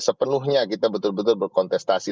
sepenuhnya kita betul betul berkontestasi